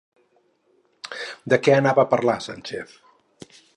De què anava a parlar Sánchez?